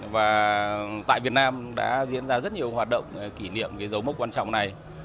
và tại việt nam đã diễn ra rất nhiều hoạt động kỷ niệm cái dấu mốc quan trọng này